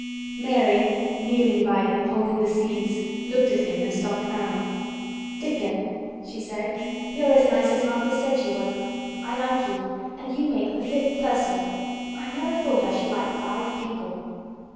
Mary, kneeling by him holding the seeds, looked at him and stopped frowning. "Dickon," she said, "you are as nice as Martha said you were. I like you, and you make the fifth person. I never thought I should like five people."